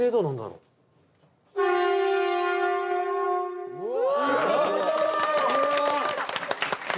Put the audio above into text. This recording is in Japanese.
うわ！